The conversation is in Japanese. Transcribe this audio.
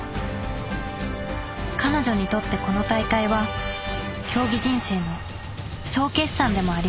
彼女にとってこの大会は競技人生の総決算でもありました